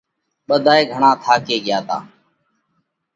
ٻڌائي گھڻا ٿاڪي ڳيا تا۔